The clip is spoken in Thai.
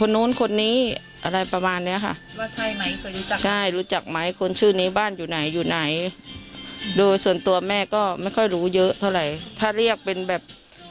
นู้นคนนี้อะไรประมาณเนี้ยค่ะว่าใช่ไหมเคยรู้จักใช่รู้จักไหมคนชื่อนี้บ้านอยู่ไหนอยู่ไหนโดยส่วนตัวแม่ก็ไม่ค่อยรู้เยอะเท่าไหร่ถ้าเรียกเป็นแบบ